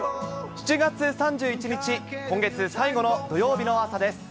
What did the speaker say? ７月３１日、今月最後の土曜日の朝です。